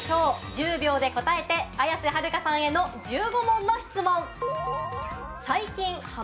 １０秒で答えて、綾瀬はるかさんへの１５問の質問。